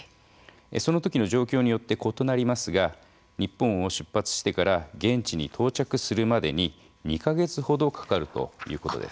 その時の状況によって異なりますが日本を出発してから現地に到着するまでに２か月ほどかかるということです。